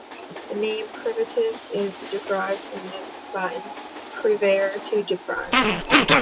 The name "privative" is derived from Latin "privare" "to deprive".